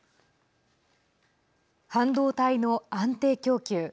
半導体の安定供給。